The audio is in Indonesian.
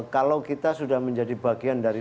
kalau kita sudah menjadi bagian dari